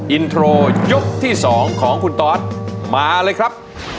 อินโทรยกที่๒ของคุณตอสมาเลยครับ